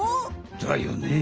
だよね。